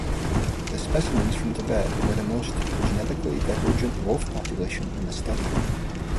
The specimens from Tibet were the most genetically divergent wolf population in this study.